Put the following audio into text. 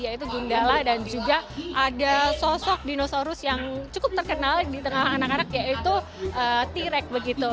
yaitu gundala dan juga ada sosok dinosaurus yang cukup terkenal di tengah anak anak yaitu t rek begitu